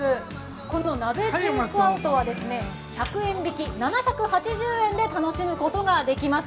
この鍋テイクアウトは１００円引きの７８０円で楽しむことができます。